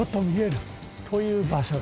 という場所。